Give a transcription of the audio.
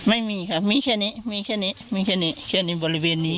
ไม่มีครับมีแค่นี้มีแค่นี้บริเวณนี้